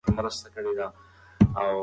اګوستین د انسان په فطري ازادۍ باور درلود.